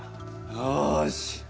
よし。